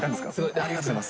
ありがとうございます。